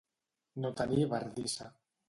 No tenir bardissa.